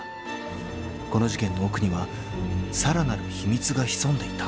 ［この事件の奥にはさらなる秘密が潜んでいた］